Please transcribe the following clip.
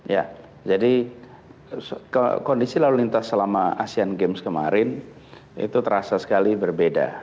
ya jadi kondisi lalu lintas selama asian games kemarin itu terasa sekali berbeda